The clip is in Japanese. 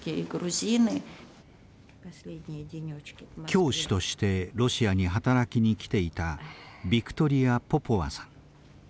教師としてロシアに働きに来ていたビクトリア・ポポワさん。